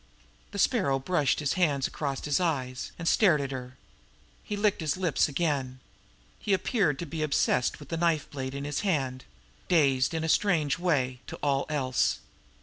The Sparrow brushed his hands across his eyes, and stared at her. He licked his lips again. He appeared to be obsessed with the knife blade in his hand dazed in a strange way to all else.